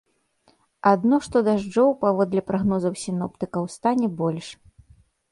Адно што дажджоў, паводле прагнозаў сіноптыкаў, стане больш.